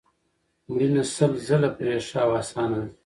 مړینه سل ځله پرې ښه او اسانه ده